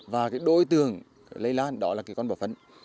và đối tường lây lan đó là con bọ phấn